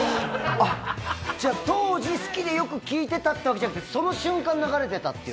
あっじゃあ当時好きでよく聴いてたってわけじゃなくてその瞬間流れてたっていう？